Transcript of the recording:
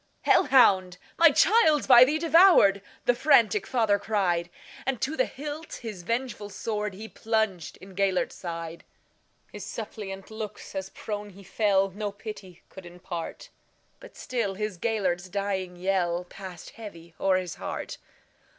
"Hell hound! my child 's by thee devoured,"The frantic father cried; And to the hilt his vengeful swordHe plunged in Gêlert's side. His suppliant looks, as prone he fell, No pity could impart; But still his Gêlert's dying yellPassed heavy o'er his heart.